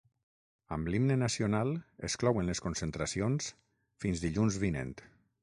Amb l’himne nacional es clouen les concentracions, fins dilluns vinent.